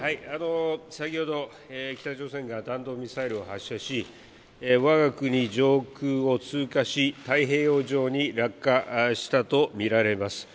北朝鮮が弾道ミサイルを発射し、わが国上空を通過し、太平洋上に落下したと見られます。